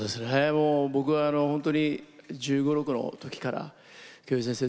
もう僕は本当に１５１６の時から京平先生